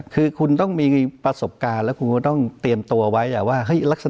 คือคุณต้องมีประสบการณ์และคุณต้องเตรียมตัวไว้ว่า